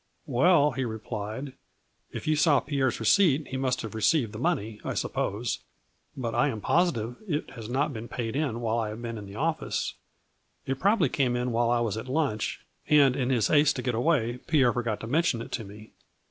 " 4 Well,' he replied, 4 If you saw Pierre's receipt he must have received the money, I sup pose, but I am positive it has not been paid in while I have been in the office. It probably came in while I was at lunch, and, in his haste to get away, Pierre forgot to mention it to me.